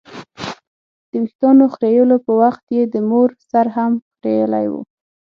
د ویښتانو خریلو په وخت یې د مور سر هم خرېیلی و.